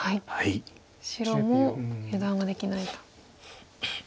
白も油断はできないと。